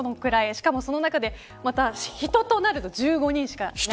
しかも、その中で人となると１５人しか。